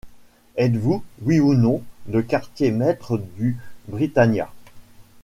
Êtes-vous, oui ou non, le quartier-maître du Britannia?